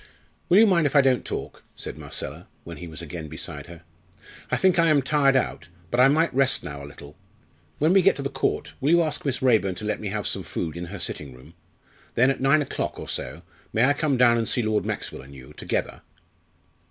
"Will you mind if I don't talk?" said Marcella, when he was again beside her. "I think I am tired out, but I might rest now a little. When we get to the Court, will you ask Miss Raeburn to let me have some food in her sitting room? Then, at nine o'clock or so, may I come down and see Lord Maxwell and you together?"